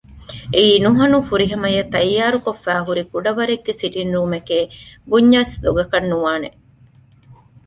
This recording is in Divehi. އެއީ ނުހަނު ފުރިހަމައަށް ތައްޔާރުކޮށްފައި ހުރި ކުޑަވަރެއްގެ ސިޓިންގރޫމެކޭ ބުންޏަސް ދޮގަކަށް ނުވާނެ